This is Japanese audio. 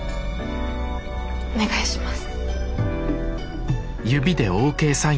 お願いします。